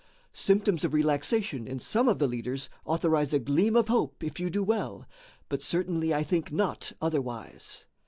Symptoms of relaxation in some of the leaders authorize a gleam of hope if you do well, but certainly I think not otherwise."